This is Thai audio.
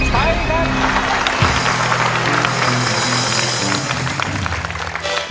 ใช้ครับ